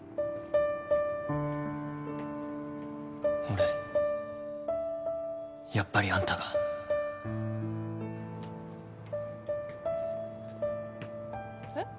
俺やっぱりあんたがえっ？